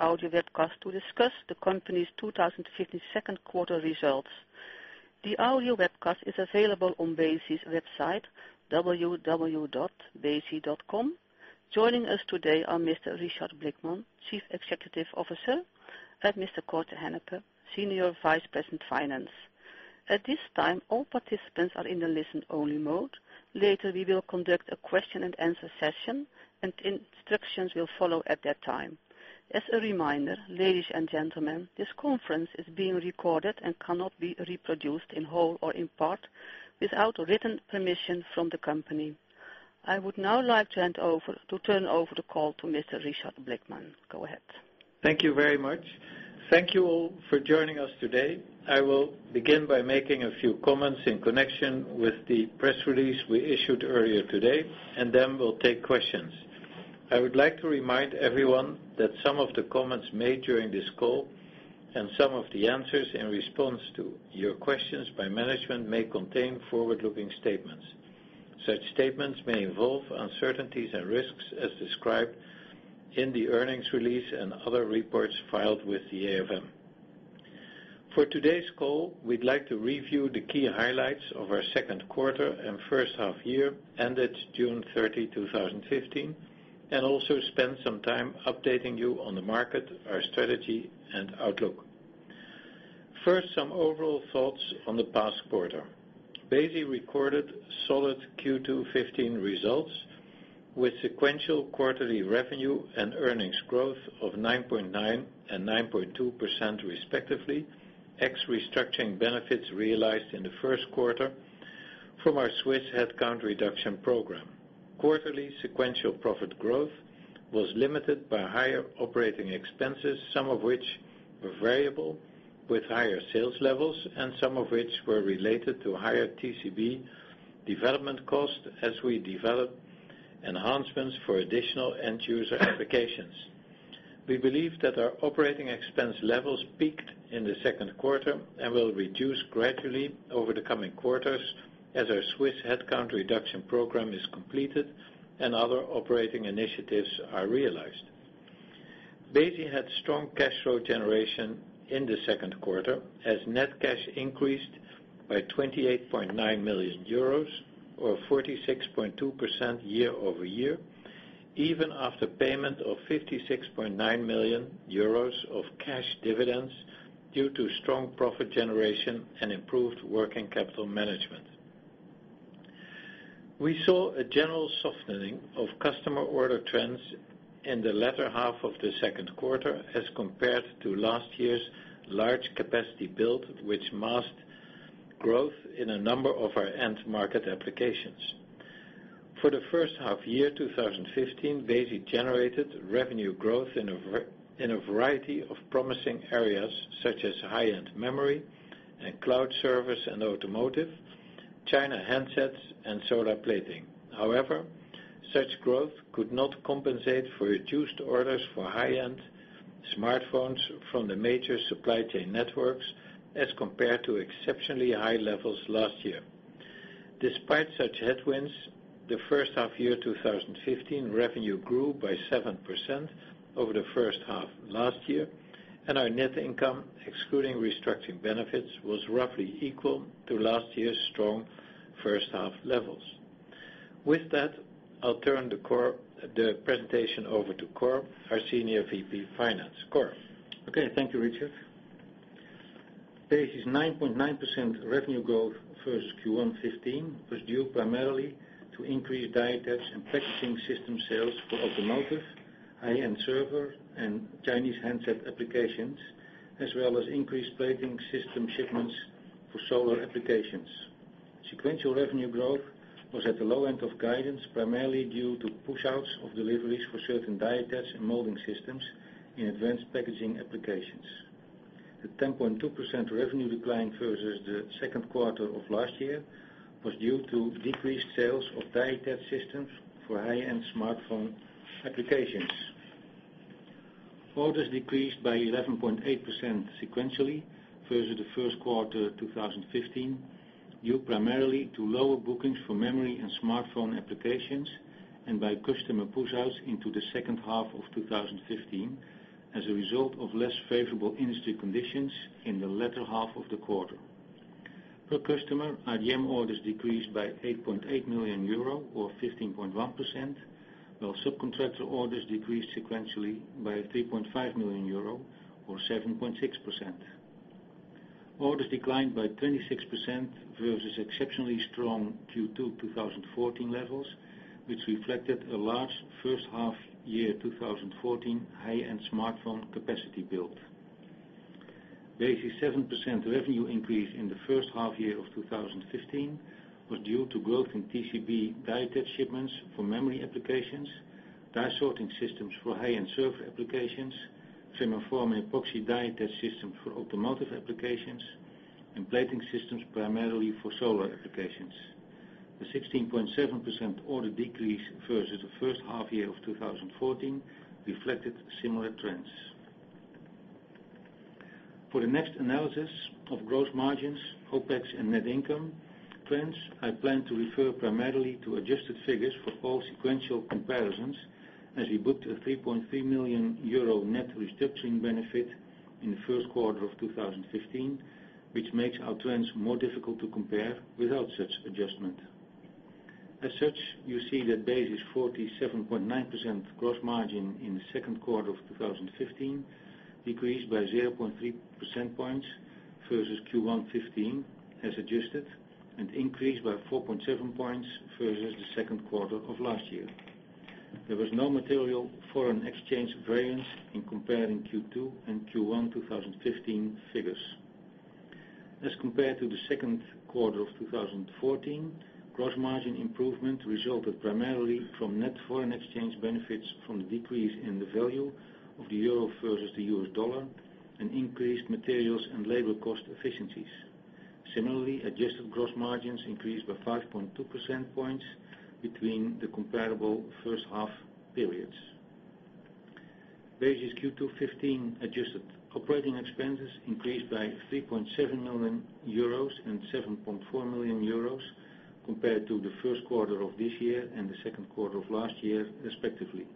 Audio webcast to discuss the company's 2015 second quarter results. The audio webcast is available on Besi's website, www.besi.com. Joining us today are Mr. Richard Blickman, Chief Executive Officer, and Mr. Cor Haneke, Senior Vice President, Finance. At this time, all participants are in the listen-only mode. Later, we will conduct a question and answer session, and instructions will follow at that time. As a reminder, ladies and gentlemen, this conference is being recorded and cannot be reproduced in whole or in part without written permission from the company. I would now like to turn over the call to Mr. Richard Blickman. Go ahead. Thank you very much. Thank you all for joining us today. I will begin by making a few comments in connection with the press release we issued earlier today. Then we'll take questions. I would like to remind everyone that some of the comments made during this call and some of the answers in response to your questions by management may contain forward-looking statements. Such statements may involve uncertainties and risks as described in the earnings release and other reports filed with the AFM. For today's call, we'd like to review the key highlights of our second quarter and first half year ended June 30, 2015. Also spend some time updating you on the market, our strategy, and outlook. First, some overall thoughts on the past quarter. Besi recorded solid Q2 '15 results with sequential quarterly revenue and earnings growth of 9.9% and 9.2% respectively, ex restructuring benefits realized in the first quarter from our Swiss headcount reduction program. Quarterly sequential profit growth was limited by higher operating expenses, some of which were variable with higher sales levels and some of which were related to higher TCB development costs as we develop enhancements for additional end-user applications. We believe that our operating expense levels peaked in the second quarter and will reduce gradually over the coming quarters as our Swiss headcount reduction program is completed and other operating initiatives are realized. Besi had strong cash flow generation in the second quarter as net cash increased by 28.9 million euros or 46.2% year-over-year, even after payment of 56.9 million euros of cash dividends due to strong profit generation and improved working capital management. We saw a general softening of customer order trends in the latter half of the second quarter as compared to last year's large capacity build, which masked growth in a number of our end-market applications. For the first half year 2015, Besi generated revenue growth in a variety of promising areas, such as high-end memory and cloud service and automotive, China handsets, and solar plating. Such growth could not compensate for reduced orders for high-end smartphones from the major supply chain networks as compared to exceptionally high levels last year. Despite such headwinds, the first half year 2015 revenue grew by 7% over the first half last year. Our net income, excluding restructuring benefits, was roughly equal to last year's strong first half levels. With that, I'll turn the presentation over to Cor, our Senior Vice President, Finance. Cor. Okay. Thank you, Richard. Besi's 9.9% revenue growth versus Q1 2015 was due primarily to increased die test and packaging system sales for automotive, high-end server, and Chinese handset applications, as well as increased plating system shipments for solar applications. Sequential revenue growth was at the low end of guidance, primarily due to pushouts of deliveries for certain die test and molding systems in advanced packaging applications. The 10.2% revenue decline versus the second quarter of last year was due to decreased sales of die test systems for high-end smartphone applications. Orders decreased by 11.8% sequentially versus the first quarter 2015, due primarily to lower bookings for memory and smartphone applications and by customer pushouts into the second half of 2015 as a result of less favorable industry conditions in the latter half of the quarter. Per customer, IDM orders decreased by 8.8 million euro or 15.1%, while subcontractor orders decreased sequentially by 3.5 million euro or 7.6%. Orders declined by 26% versus exceptionally strong Q2 2014 levels, which reflected a large first half year 2014 high-end smartphone capacity build. Besi's 7% revenue increase in the first half year of 2015 was due to growth in TCB die test shipments for memory applications, die sorting systems for high-end server applications, thermal forming epoxy die attach systems for automotive applications, and plating systems primarily for solar applications. The 16.7% order decrease versus the first half year of 2014 reflected similar trends. For the next analysis of gross margins, OpEx, and net income trends, I plan to refer primarily to adjusted figures for all sequential comparisons as we booked a 3.3 million euro net restructuring benefit in the first quarter of 2015, which makes our trends more difficult to compare without such adjustment. You see that Besi's 47.9% gross margin in the second quarter of 2015 decreased by 0.3% points versus Q1 2015 as adjusted and increased by 4.7 points versus the second quarter of last year. There was no material foreign exchange variance in comparing Q2 and Q1 2015 figures. As compared to the second quarter of 2014, gross margin improvement resulted primarily from net foreign exchange benefits from the decrease in the value of the euro versus the US dollar and increased materials and labor cost efficiencies. Similarly, adjusted gross margins increased by 5.2% points between the comparable first half periods. Besi's Q2 2015 adjusted operating expenses increased by 3.7 million euros and 7.4 million euros compared to the first quarter of this year and the second quarter of last year, respectively.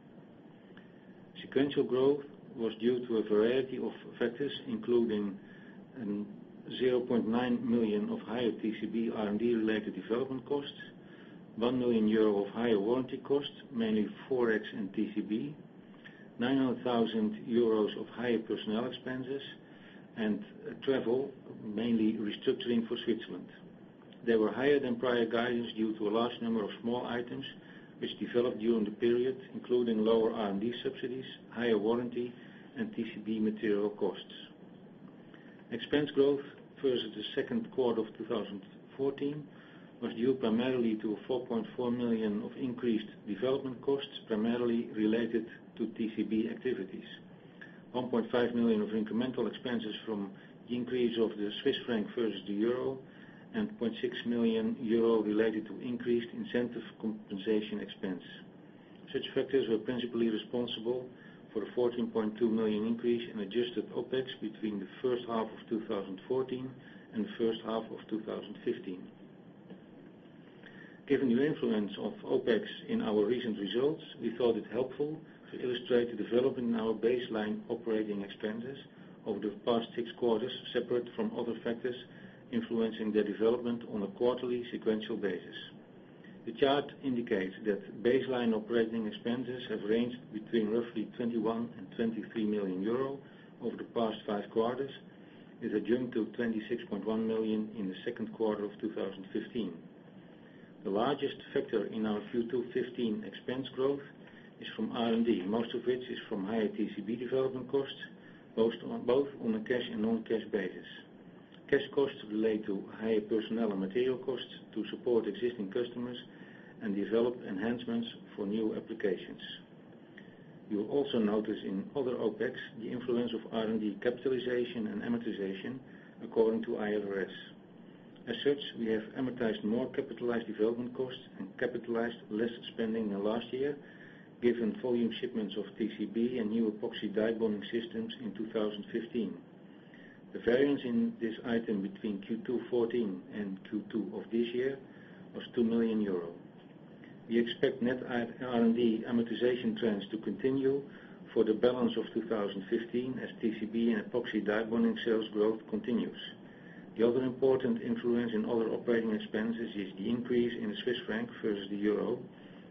Sequential growth was due to a variety of factors, including 0.9 million of higher TCB R&D-related development costs, 1 million euro of higher warranty costs, mainly ForEx and TCB, 900,000 euros of higher personnel expenses, and travel, mainly restructuring for Switzerland. They were higher than prior guidance due to a large number of small items which developed during the period, including lower R&D subsidies, higher warranty, and TCB material costs. Expense growth versus the second quarter of 2014 was due primarily to 4.4 million of increased development costs, primarily related to TCB activities. 1.5 million of incremental expenses from the increase of the Swiss franc versus the euro and 0.6 million euro related to increased incentive compensation expense. Such factors were principally responsible for the 14.2 million increase in adjusted OpEx between the first half of 2014 and the first half of 2015. Given the influence of OpEx in our recent results, we thought it helpful to illustrate the development in our baseline operating expenses over the past six quarters, separate from other factors influencing their development on a quarterly sequential basis. The chart indicates that baseline operating expenses have ranged between roughly 21 million and 23 million euro over the past five quarters, with a jump to 26.1 million in the second quarter of 2015. The largest factor in our Q2 '15 expense growth is from R&D, most of which is from higher TCB development costs, both on a cash and non-cash basis. Cash costs relate to higher personnel and material costs to support existing customers and develop enhancements for new applications. You will also notice in other OpEx the influence of R&D capitalization and amortization according to IFRS. As such, we have amortized more capitalized development costs and capitalized less spending than last year, given volume shipments of TCB and new epoxy die bonding systems in 2015. The variance in this item between Q2 '14 and Q2 of this year was 2 million euro. We expect net R&D amortization trends to continue for the balance of 2015 as TCB and epoxy die bonding sales growth continues. The other important influence in other operating expenses is the increase in the Swiss franc versus the euro,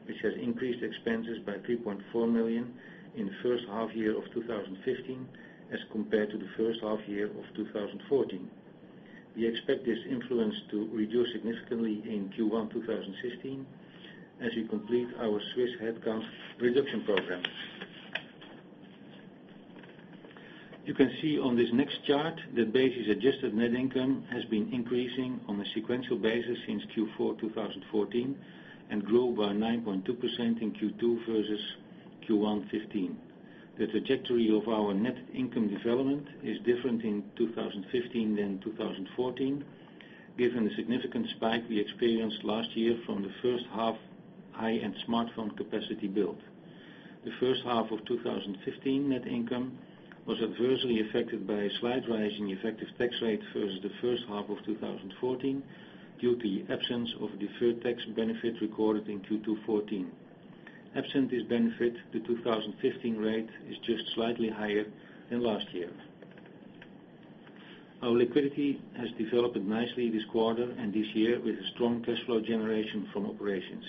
which has increased expenses by 3.4 million in the first half year of 2015 as compared to the first half year of 2014. We expect this influence to reduce significantly in Q1 2016 as we complete our Swiss headcount reduction program. You can see on this next chart that Besi's adjusted net income has been increasing on a sequential basis since Q4 2014 and grew by 9.2% in Q2 versus Q1 '15. The trajectory of our net income development is different in 2015 than 2014, given the significant spike we experienced last year from the first half high-end smartphone capacity build. The first half of 2015 net income was adversely affected by a slight rise in effective tax rate versus the first half of 2014 due to the absence of deferred tax benefit recorded in Q2 '14. Absent this benefit, the 2015 rate is just slightly higher than last year. Our liquidity has developed nicely this quarter and this year with a strong cash flow generation from operations.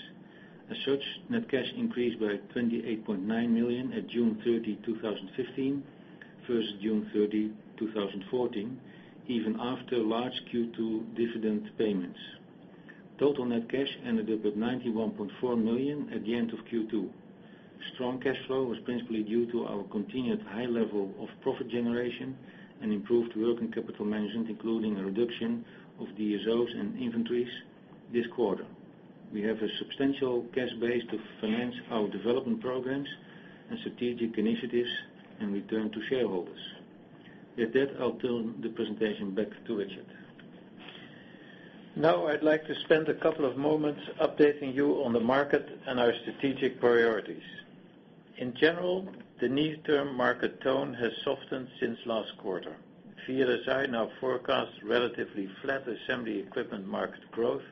As such, net cash increased by 28.9 million at June 30, 2015, versus June 30, 2014, even after large Q2 dividend payments. Total net cash ended up at 91.4 million at the end of Q2. Strong cash flow was principally due to our continued high level of profit generation and improved working capital management, including a reduction of DSO and inventories this quarter. We have a substantial cash base to finance our development programs and strategic initiatives and return to shareholders. With that, I'll turn the presentation back to Richard. Now I'd like to spend a couple of moments updating you on the market and our strategic priorities. In general, the near-term market tone has softened since last quarter. Via SI now forecasts relatively flat assembly equipment market growth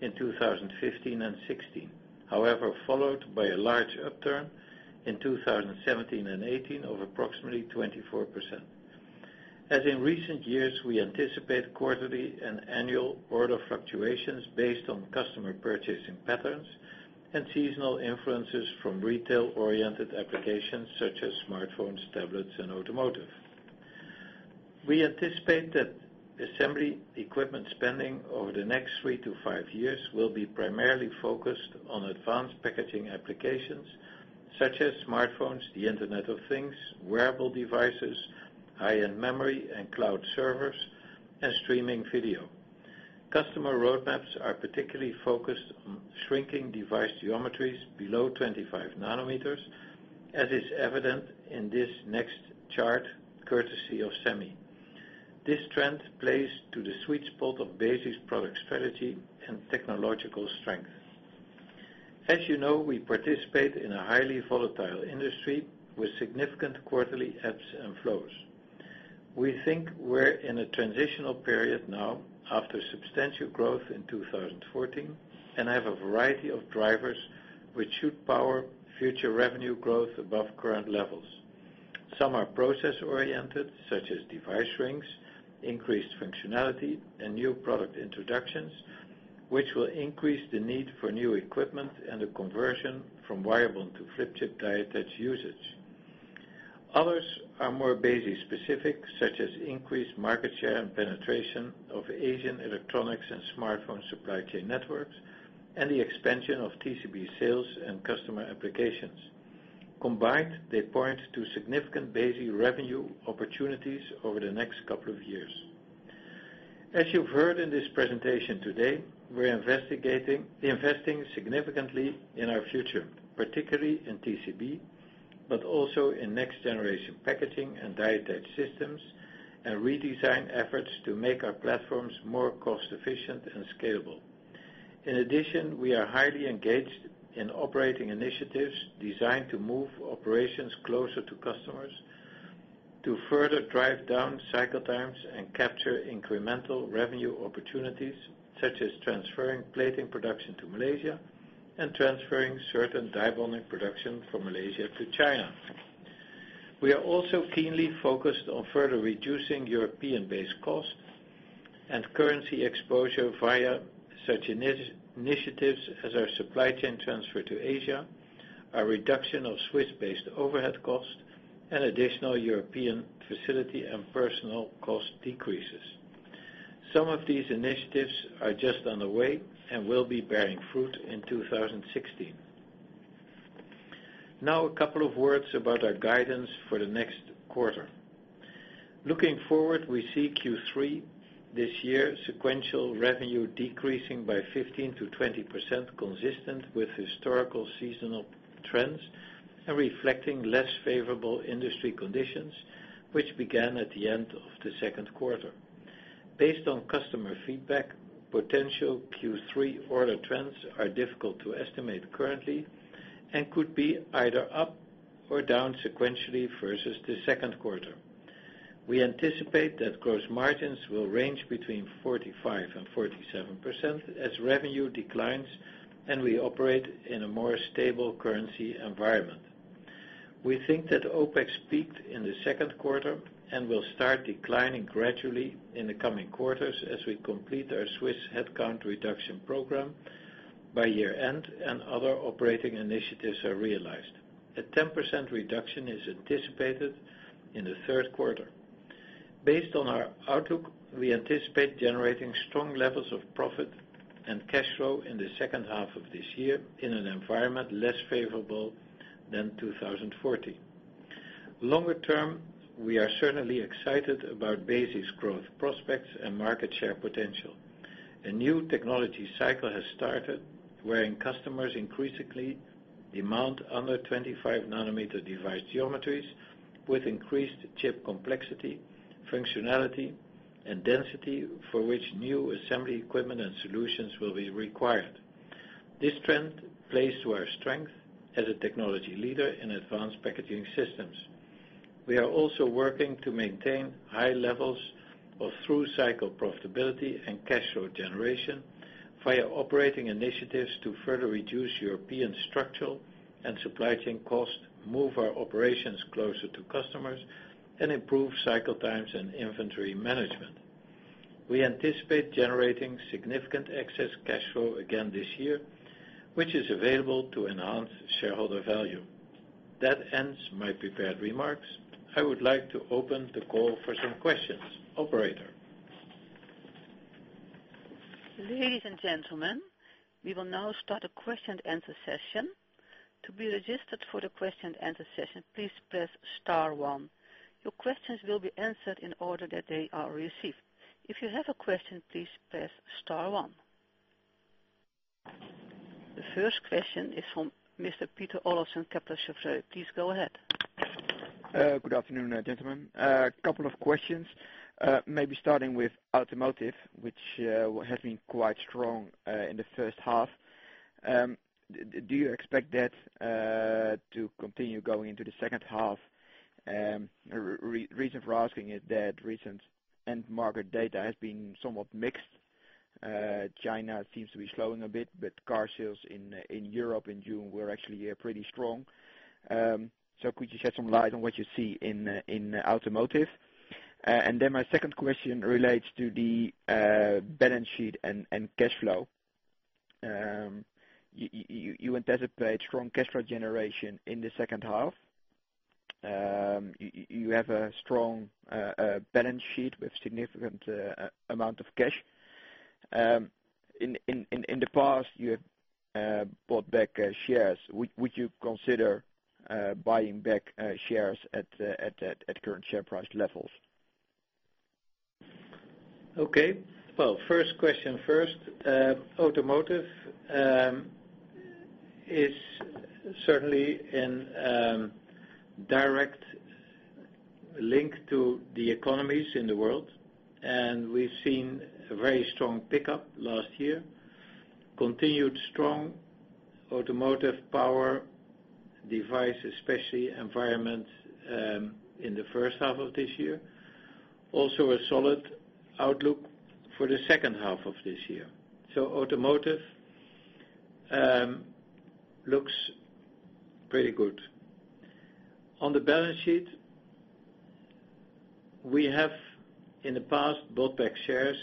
in 2015 and 2016, however, followed by a large upturn in 2017 and 2018 of approximately 24%. As in recent years, we anticipate quarterly and annual order fluctuations based on customer purchasing patterns and seasonal influences from retail-oriented applications such as smartphones, tablets, and automotive. We anticipate that assembly equipment spending over the next three to five years will be primarily focused on advanced packaging applications such as smartphones, the Internet of Things, wearable devices, high-end memory and cloud servers, and streaming video. Customer roadmaps are particularly focused on shrinking device geometries below 25 nanometers, as is evident in this next chart, courtesy of SEMI. This trend plays to the sweet spot of Besi's product strategy and technological strength. As you know, we participate in a highly volatile industry with significant quarterly ebbs and flows. We think we're in a transitional period now after substantial growth in 2014. We have a variety of drivers which should power future revenue growth above current levels. Some are process-oriented, such as device shrinks, increased functionality, and new product introductions, which will increase the need for new equipment and the conversion from wirebond to flip chip die attach usage. Others are more Besi specific, such as increased market share and penetration of Asian electronics and smartphone supply chain networks, and the expansion of TCB sales and customer applications. Combined, they point to significant Besi revenue opportunities over the next couple of years. As you've heard in this presentation today, we're investing significantly in our future, particularly in TCB, but also in next-generation packaging and die attach systems and redesign efforts to make our platforms more cost-efficient and scalable. In addition, we are highly engaged in operating initiatives designed to move operations closer to customers to further drive down cycle times and capture incremental revenue opportunities, such as transferring plating production to Malaysia and transferring certain die bonding production from Malaysia to China. We are also keenly focused on further reducing European-based costs and currency exposure via such initiatives as our supply chain transfer to Asia, our reduction of Swiss-based overhead costs, and additional European facility and personal cost decreases. Some of these initiatives are just underway and will be bearing fruit in 2016. A couple of words about our guidance for the next quarter. Looking forward, we see Q3 this year, sequential revenue decreasing by 15%-20%, consistent with historical seasonal trends and reflecting less favorable industry conditions, which began at the end of the second quarter. Based on customer feedback, potential Q3 order trends are difficult to estimate currently and could be either up or down sequentially versus the second quarter. We anticipate that gross margins will range between 45% and 47% as revenue declines, and we operate in a more stable currency environment. We think that OpEx peaked in the second quarter and will start declining gradually in the coming quarters as we complete our Swiss headcount reduction program by year-end and other operating initiatives are realized. A 10% reduction is anticipated in the third quarter. Based on our outlook, we anticipate generating strong levels of profit and cash flow in the second half of this year in an environment less favorable than 2014. Longer term, we are certainly excited about Besi's growth prospects and market share potential. A new technology cycle has started, wherein customers increasingly demand under 25 nanometer device geometries with increased chip complexity, functionality, and density for which new assembly equipment and solutions will be required. This trend plays to our strength as a technology leader in advanced packaging systems. We are also working to maintain high levels of through-cycle profitability and cash flow generation via operating initiatives to further reduce European structural and supply chain costs, move our operations closer to customers, and improve cycle times and inventory management. We anticipate generating significant excess cash flow again this year, which is available to enhance shareholder value. That ends my prepared remarks. I would like to open the call for some questions. Operator? Ladies and gentlemen, we will now start a question and answer session. To be registered for the question and answer session, please press star one. Your questions will be answered in the order that they are received. If you have a question, please press star one. The first question is from Mr. Pieter Olffsen, Kepler Cheuvreux. Please go ahead. Good afternoon, gentlemen. A couple of questions, maybe starting with automotive, which has been quite strong in the first half. Do you expect that to continue going into the second half? Reason for asking is that recent end market data has been somewhat mixed. China seems to be slowing a bit, but car sales in Europe in June were actually pretty strong. Could you shed some light on what you see in automotive? My second question relates to the balance sheet and cash flow. You anticipate strong cash flow generation in the second half. You have a strong balance sheet with significant amount of cash. In the past, you have bought back shares. Would you consider buying back shares at current share price levels? Okay. Well, first question first. Automotive is certainly in direct link to the economies in the world, we've seen a very strong pickup last year. Continued strong automotive power device, especially environment, in the first half of this year. Also a solid outlook for the second half of this year. Automotive looks pretty good. On the balance sheet, we have in the past bought back shares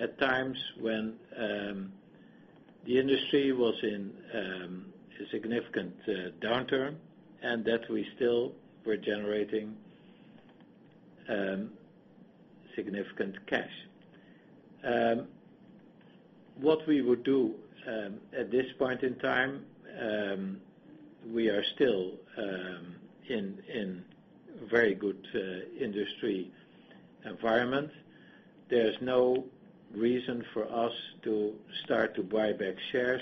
at times when the industry was in a significant downturn, we still were generating significant cash. What we would do at this point in time, we are still in very good industry environment. There's no reason for us to start to buy back shares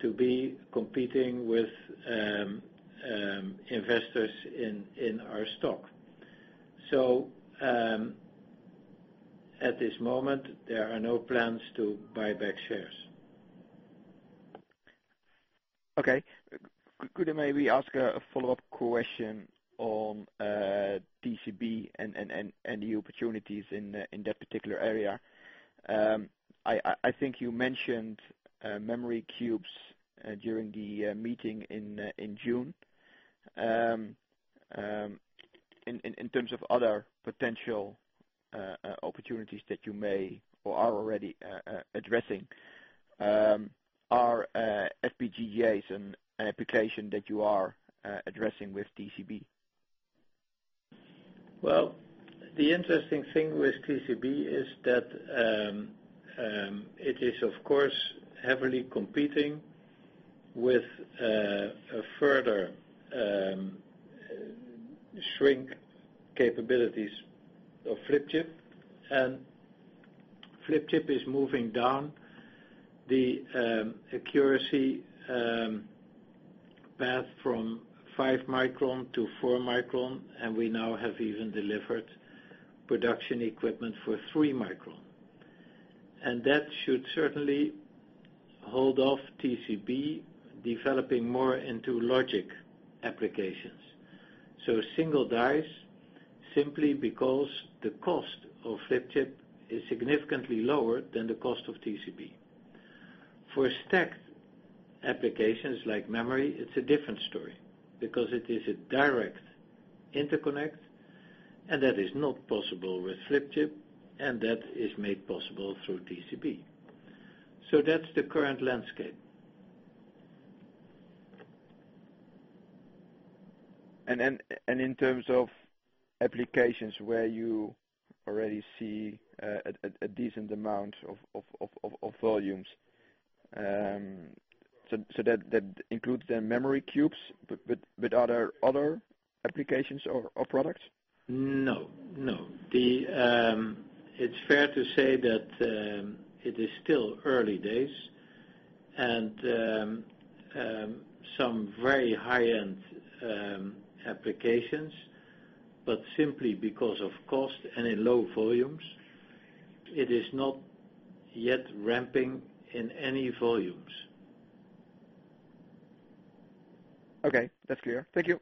to be competing with investors in our stock. At this moment, there are no plans to buy back shares. Okay. Could I maybe ask a follow-up question on TCB and the opportunities in that particular area? I think you mentioned memory cubes during the meeting in June. In terms of other potential opportunities that you may or are already addressing, are FPGAs an application that you are addressing with TCB? Well, the interesting thing with TCB is that it is, of course, heavily competing with further shrink capabilities of flip chip, flip chip is moving down the accuracy path from five micron to four micron, we now have even delivered production equipment for three micron. That should certainly hold off TCB developing more into logic applications. Single dies, simply because the cost of flip chip is significantly lower than the cost of TCB. For stacked applications like memory, it's a different story because it is a direct interconnect that is not possible with flip chip, that is made possible through TCB. That's the current landscape. In terms of applications where you already see a decent amount of volumes. That includes the memory cubes, are there other applications or products? No. It's fair to say that it is still early days and some very high-end applications, but simply because of cost and in low volumes, it is not yet ramping in any volumes. Okay, that's clear. Thank you.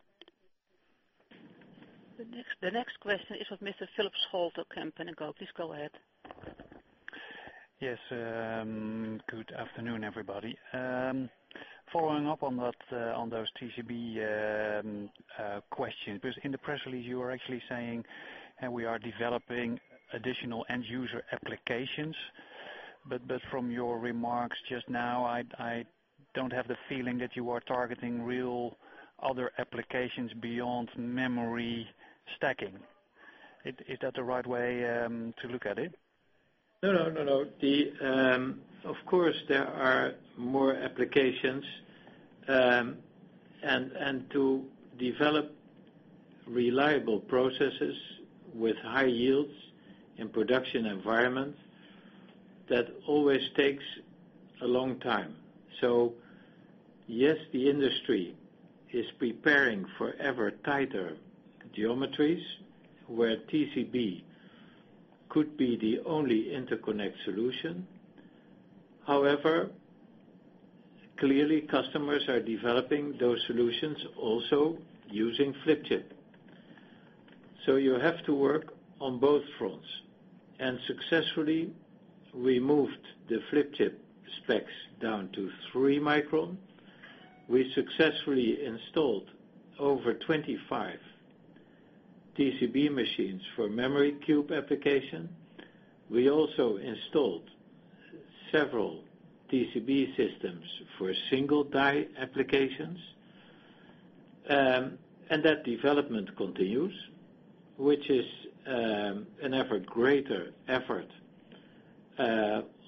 The next question is with Mr. Philip Scholte, Kempen & Co. Please go ahead. Yes, good afternoon, everybody. Following up on those TCB questions, because in the press release, you are actually saying, "We are developing additional end-user applications." But from your remarks just now, I don't have the feeling that you are targeting real other applications beyond memory stacking. Is that the right way to look at it? No, no. Of course, there are more applications, to develop reliable processes with high yields in production environments, that always takes a long time. Yes, the industry is preparing for ever tighter geometries where TCB could be the only interconnect solution. However, clearly customers are developing those solutions also using flip chip. You have to work on both fronts. Successfully, we moved the flip chip specs down to 3 micron. We successfully installed over 25 TCB machines for memory cube application. We also installed several TCB systems for single die applications. That development continues, which is an even greater effort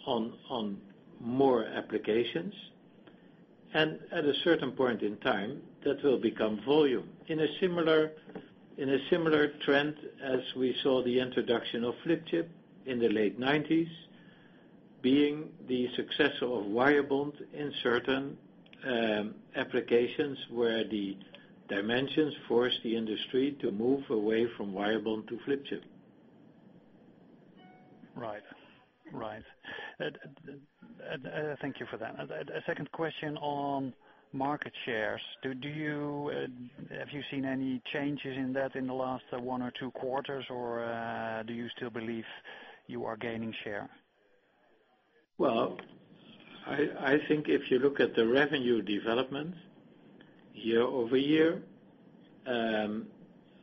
on more applications. At a certain point in time, that will become volume in a similar trend as we saw the introduction of flip chip in the late 1990s, being the successor of wire bond in certain applications where the dimensions forced the industry to move away from wire bond to flip chip. Right. Thank you for that. A second question on market shares. Have you seen any changes in that in the last one or two quarters, or do you still believe you are gaining share? Well, I think if you look at the revenue development year-over-year,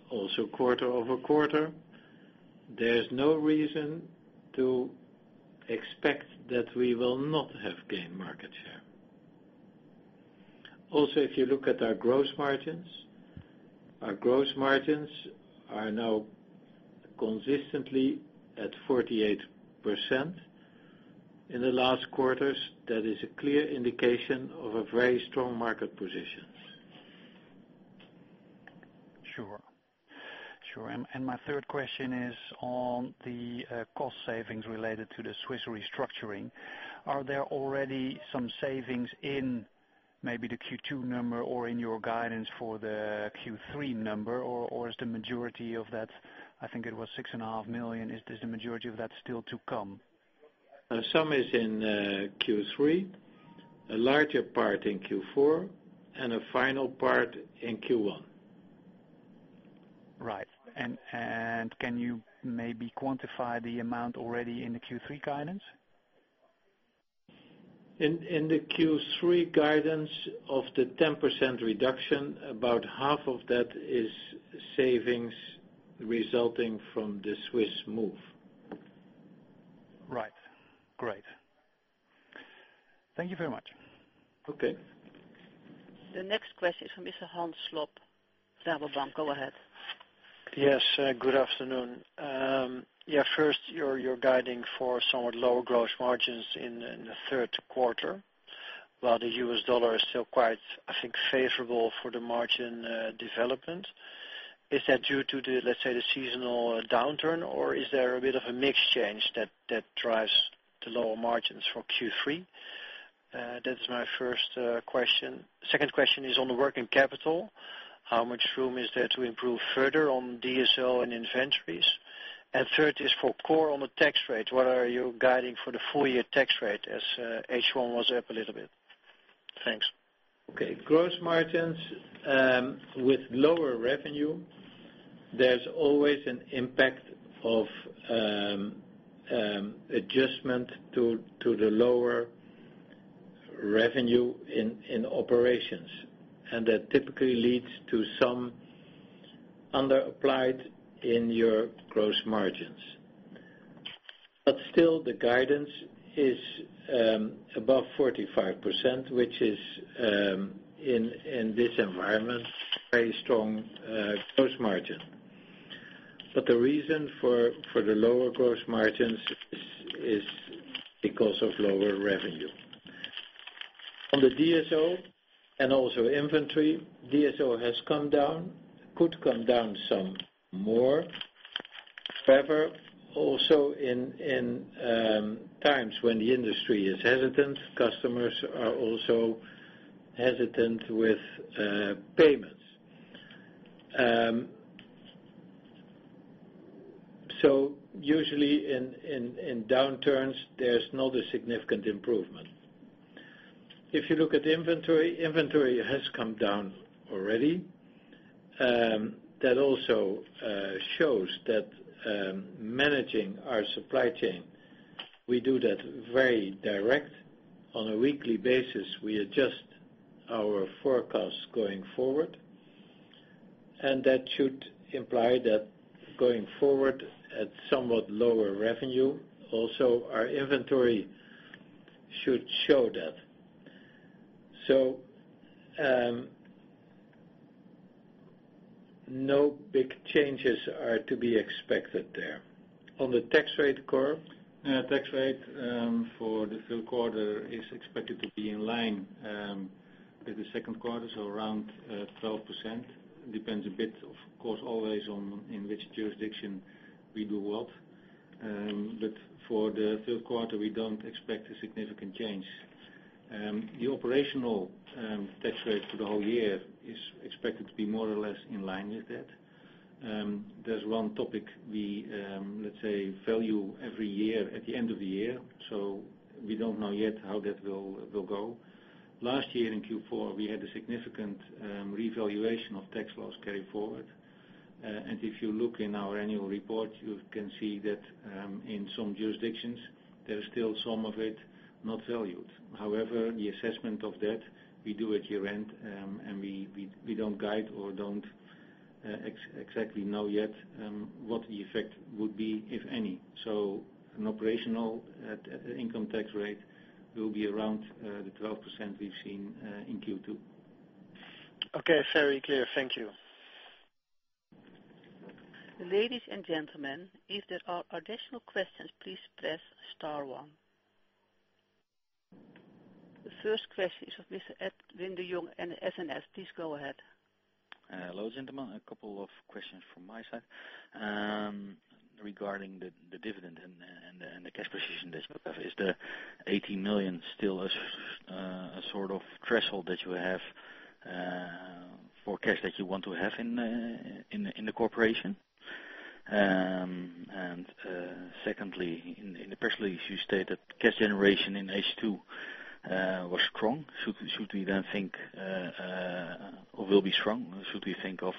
also quarter-over-quarter, there's no reason to expect that we will not have gained market share. Also, if you look at our gross margins, our gross margins are now consistently at 48% in the last quarters. That is a clear indication of a very strong market position. Sure. My third question is on the cost savings related to the Swiss restructuring. Are there already some savings in maybe the Q2 number or in your guidance for the Q3 number, or is the majority of that, I think it was six and a half million, is the majority of that still to come? Some is in Q3, a larger part in Q4, and a final part in Q1. Right. Can you maybe quantify the amount already in the Q3 guidance? In the Q3 guidance of the 10% reduction, about half of that is savings resulting from the Swiss move. Right. Great. Thank you very much. Okay. The next question is from Mr. Hans Slob, Rabobank. Go ahead. Yes, good afternoon. First, you're guiding for somewhat lower gross margins in the third quarter, while the US dollar is still quite, I think, favorable for the margin development. Is that due to the, let's say, the seasonal downturn, or is there a bit of a mix change that drives the lower margins for Q3? That is my first question. Second question is on the working capital. How much room is there to improve further on DSO and inventories? Third is for Cor on the tax rate. What are you guiding for the full year tax rate as H1 was up a little bit? Thanks. Okay. Gross margins, with lower revenue, there's always an impact of adjustment to the lower revenue in operations. That typically leads to some under applied in your gross margins. Still the guidance is above 45%, which is, in this environment, very strong gross margin. The reason for the lower gross margins is because of lower revenue. On the DSO and also inventory, DSO has come down, could come down some more. However, also in times when the industry is hesitant, customers are also hesitant with payments. Usually in downturns, there's not a significant improvement. If you look at inventory has come down already. That also shows that managing our supply chain, we do that very direct. On a weekly basis, we adjust our forecasts going forward, and that should imply that going forward at somewhat lower revenue, also, our inventory should show that. No big changes are to be expected there. On the tax rate curve. Tax rate for the third quarter is expected to be in line with the second quarter, so around 12%. Depends a bit, of course, always on in which jurisdiction we do what. For the third quarter, we don't expect a significant change. The operational tax rate for the whole year is expected to be more or less in line with that. There's one topic we, let's say, value every year at the end of the year, so we don't know yet how that will go. Last year in Q4, we had a significant revaluation of tax loss carryforward. If you look in our annual report, you can see that in some jurisdictions, there is still some of it not valued. However, the assessment of that we do at year-end, and we don't guide or don't exactly know yet what the effect would be, if any. An operational income tax rate will be around the 12% we've seen in Q2. Okay, very clear. Thank you. Ladies and gentlemen, if there are additional questions, please press star one. The first question is from Mr. Edwin de Jong and SNS. Please go ahead. Hello, gentlemen. A couple of questions from my side regarding the dividend and the cash position. Is the 80 million still a sort of threshold that you have for cash that you want to have in the corporation? Secondly, in the press release, you stated cash generation in H2 was strong. Should we then think or will be strong? Should we think of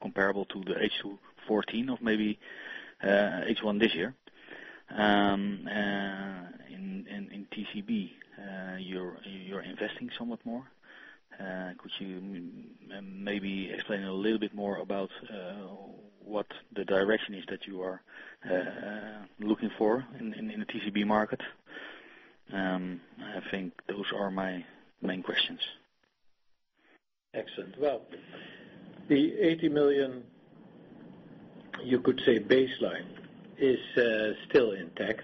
comparable to the H2 2014 of maybe H1 this year? In TCB, you're investing somewhat more. Could you maybe explain a little bit more about what the direction is that you are looking for in the TCB market? I think those are my main questions. Excellent. Well, the 80 million, you could say, baseline is still intact.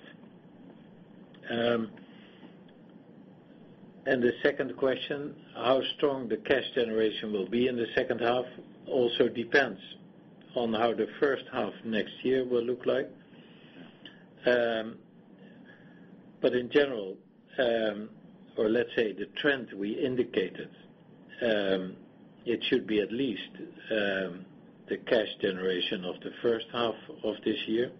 The second question, how strong the cash generation will be in the second half, also depends on how the first half next year will look like. In general, or let's say the trend we indicated, it should be at least the cash generation of the first half of this year.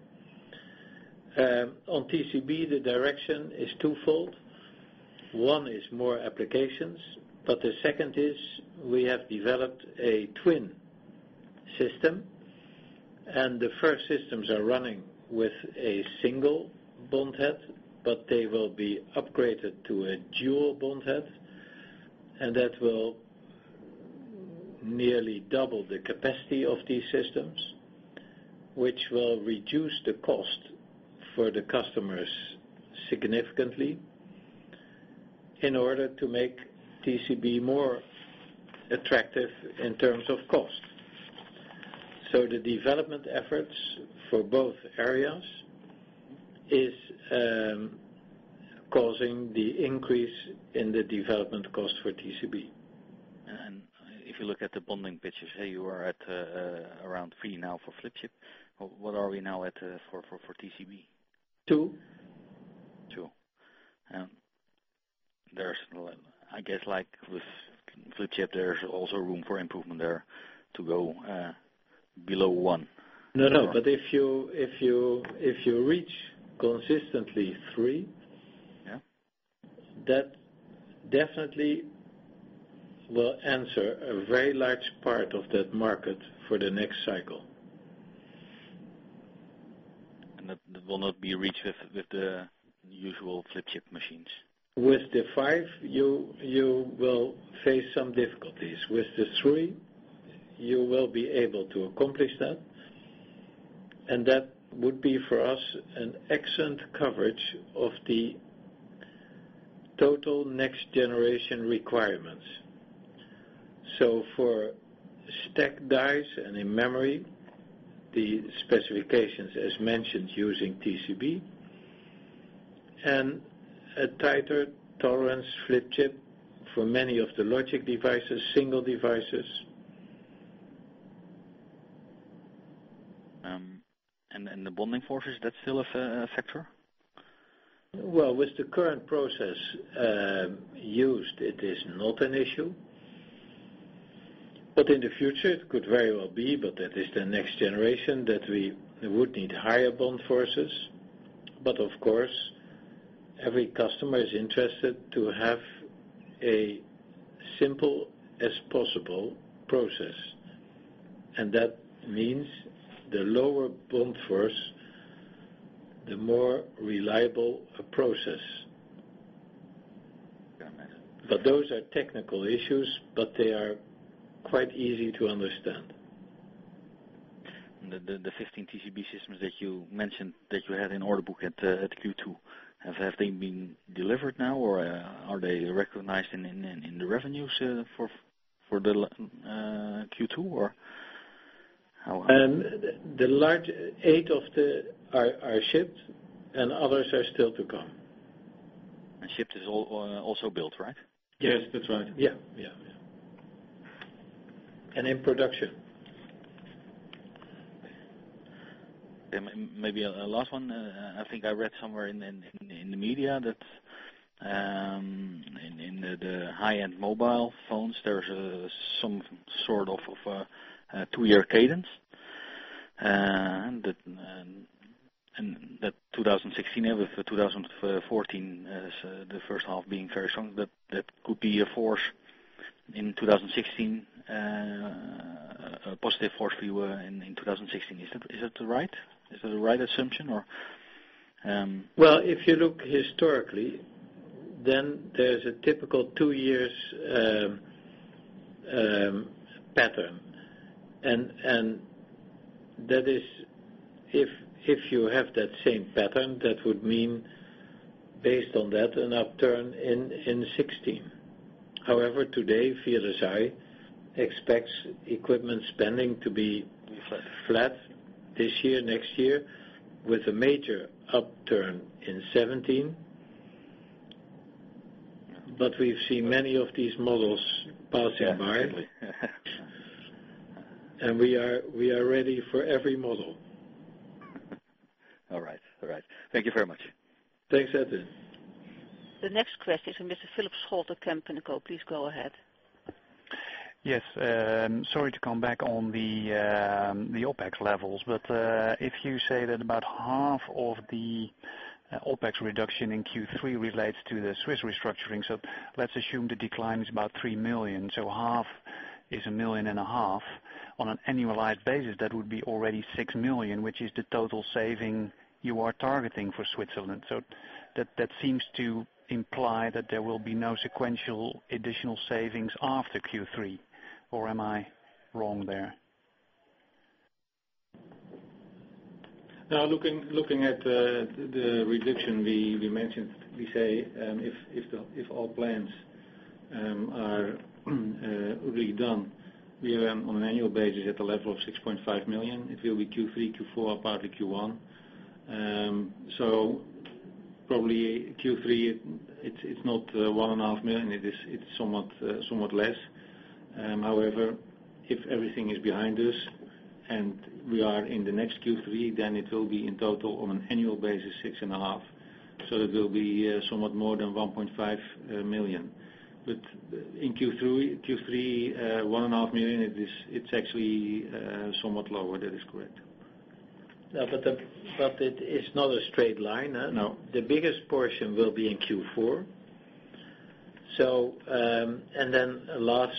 On TCB, the direction is twofold. One is more applications, but the second is we have developed a twin system, and the first systems are running with a single bond head, but they will be upgraded to a dual bond head, and that will nearly double the capacity of these systems, which will reduce the cost for the customers significantly in order to make TCB more attractive in terms of cost. The development efforts for both areas is causing the increase in the development cost for TCB. If you look at the bonding pitches, say you are at around three now for flip chip. What are we now at for TCB? Two. Two. I guess like with flip chip, there's also room for improvement there to go below one. No, no. If you reach consistently three. Yeah That definitely will answer a very large part of that market for the next cycle. That will not be reached with the usual flip chip machines. With the five, you will face some difficulties. With the three, you will be able to accomplish that would be for us an excellent coverage of the total next generation requirements. For stack dies and in memory, the specifications as mentioned using TCB, a tighter tolerance flip chip for many of the logic devices, single devices. The bonding forces, that's still a factor? Well, with the current process used, it is not an issue, in the future it could very well be, that is the next generation that we would need higher bond forces. Of course, every customer is interested to have a simple as possible process, that means the lower bond force, the more reliable a process. Yeah, makes sense. Those are technical issues, but they are quite easy to understand. The 15 TCB systems that you mentioned that you had in order book at Q2, have they been delivered now, or are they recognized in the revenues for Q3? The eight are shipped and others are still to come. Shipped is also built, right? Yes, that's right. Yeah. In production. Maybe a last one. I think I read somewhere in the media that in the high-end mobile phones, there's some sort of a two-year cadence, that 2016 with 2014 as the first half being very strong, that could be a force in 2016, a positive force for you in 2016. Is that the right assumption, or? Well, if you look historically, then there's a typical two-year pattern. That is, if you have that same pattern, that would mean based on that, an upturn in 2016. However, today, Viavi expects equipment spending to be flat this year, next year, with a major upturn in 2017. We've seen many of these models pass by. Absolutely. We are ready for every model. All right. Thank you very much. Thanks, Edwin. The next question is from Mr. Philip Scholte of Kempen & Co. Please go ahead. Yes. Sorry to come back on the OpEx levels, but if you say that about half of the OpEx reduction in Q3 relates to the Swiss restructuring. Let's assume the decline is about 3 million, so half is EUR a million and a half. On an annualized basis, that would be already 6 million, which is the total saving you are targeting for Switzerland. That seems to imply that there will be no sequential additional savings after Q3, or am I wrong there? Looking at the reduction we mentioned, we say, if all plans are redone, we are on an annual basis at a level of 6.5 million. It will be Q3, Q4, part of Q1. Probably Q3, it is not one and a half million, it is somewhat less. If everything is behind us and we are in the next Q3, then it will be, in total, on an annual basis, six and a half. That will be somewhat more than 1.5 million. In Q3, 1.5 million, it is actually somewhat lower. That is correct. Yeah, it is not a straight line. No. The biggest portion will be in Q4. Then a last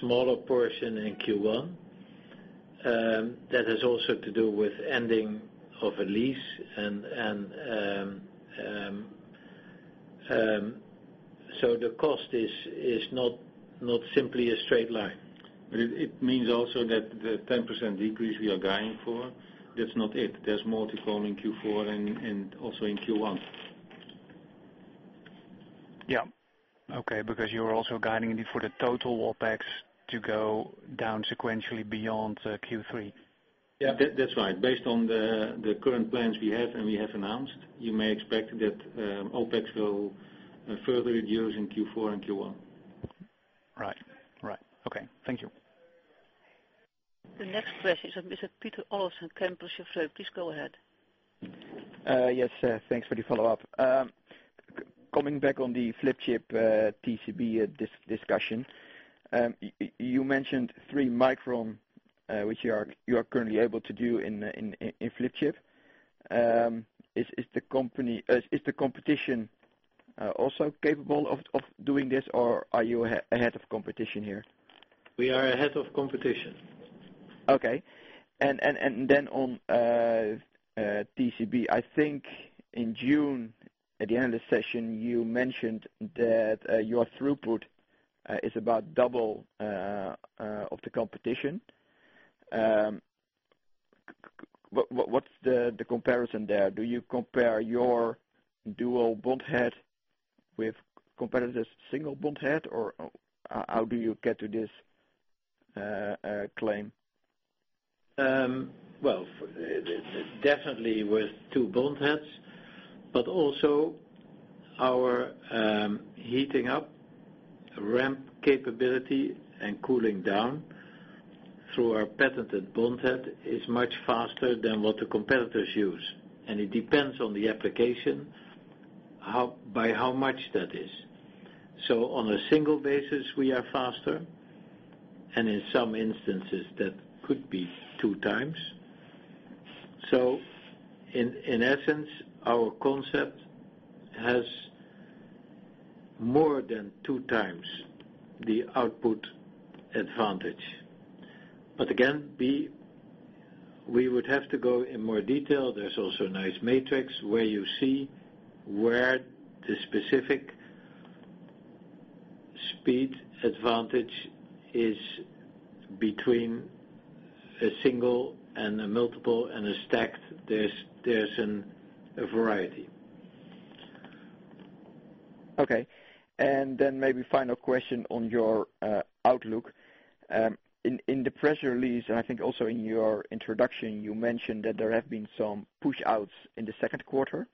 smaller portion in Q1. That has also to do with ending of a lease. The cost is not simply a straight line. It means also that the 10% decrease we are guiding for, that's not it. There's more to come in Q4 and also in Q1. Yeah. Okay, because you're also guiding indeed for the total OpEx to go down sequentially beyond Q3. Yeah. That's right. Based on the current plans we have and we have announced, you may expect that OpEx will further reduce in Q4 and Q1. Right. Okay. Thank you. The next question is from Mr. Pieter Olffsen, Kempen. Please go ahead. Yes. Thanks for the follow-up. Coming back on the flip-chip TCB discussion. You mentioned three micron, which you are currently able to do in flip-chip. Is the competition also capable of doing this, or are you ahead of competition here? We are ahead of competition. Okay. On TCB, I think in June, at the end of the session, you mentioned that your throughput is about double of the competition. What's the comparison there? Do you compare your dual bondhead with competitor's single bondhead, or how do you get to this claim? Well, definitely with two bondheads, but also our heating up ramp capability and cooling down through our patented bondhead is much faster than what the competitors use. It depends on the application, by how much that is. On a single basis, we are faster, and in some instances that could be two times. In essence, our concept has more than two times the output advantage. Again, we would have to go in more detail. There's also a nice matrix where you see where the specific speed advantage is between a single and a multiple and a stacked. There's a variety. Okay. Maybe final question on your outlook. In the press release, and I think also in your introduction, you mentioned that there have been some push outs in the second quarter.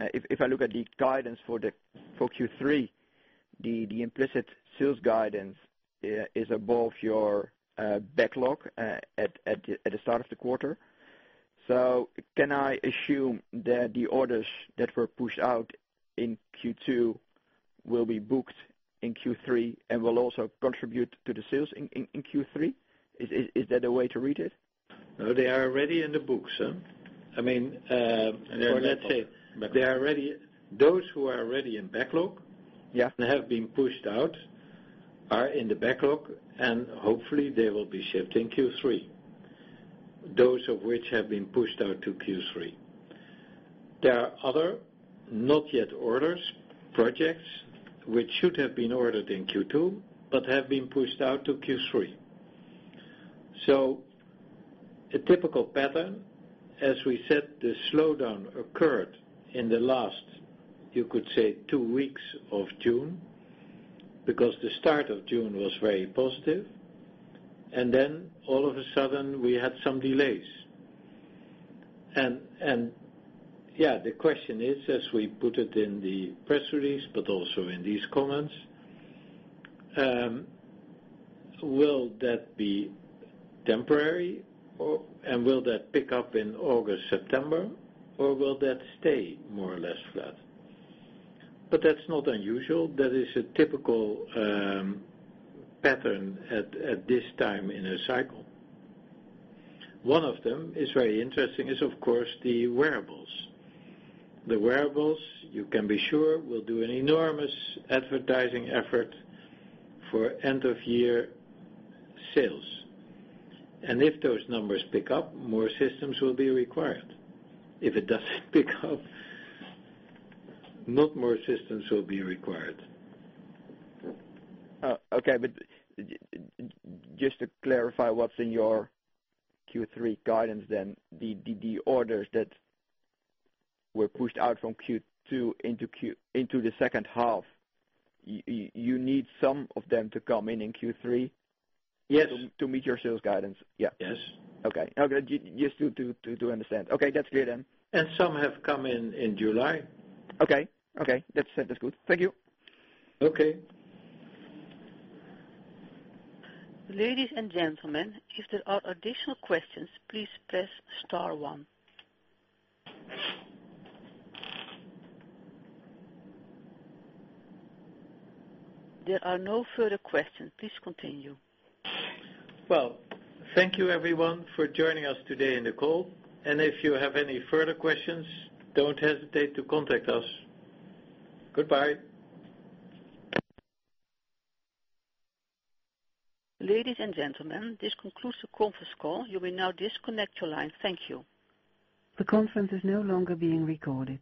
If I look at the guidance for Q3, the implicit sales guidance is above your backlog at the start of the quarter. Can I assume that the orders that were pushed out in Q2 will be booked in Q3 and will also contribute to the sales in Q3? Is that a way to read it? No, they are already in the books. Yeah Have been pushed out are in the backlog, and hopefully they will be shipped in Q3, those of which have been pushed out to Q3. There are other not yet orders, projects, which should have been ordered in Q2 but have been pushed out to Q3. A typical pattern, as we said, the slowdown occurred in the last, you could say two weeks of June, because the start of June was very positive, and then all of a sudden we had some delays. Yeah, the question is, as we put it in the press release, but also in these comments, will that be temporary? Will that pick up in August, September, or will that stay more or less flat? That's not unusual. That is a typical pattern at this time in a cycle. One of them is very interesting, is of course the wearables. The wearables, you can be sure, will do an enormous advertising effort for end-of-year sales. If those numbers pick up, more systems will be required. If it doesn't pick up, not more systems will be required. Okay. Just to clarify what's in your Q3 guidance, the orders that were pushed out from Q2 into the second half, you need some of them to come in in Q3. Yes to meet your sales guidance. Yeah. Yes. Okay. Just to understand. Okay, that's clear then. Some have come in in July. Okay. That's good. Thank you. Okay. Ladies and gentlemen, if there are additional questions, please press star one. There are no further questions. Please continue. Well, thank you everyone for joining us today on the call, and if you have any further questions, don't hesitate to contact us. Goodbye. Ladies and gentlemen, this concludes the conference call. You may now disconnect your line. Thank you. The conference is no longer being recorded.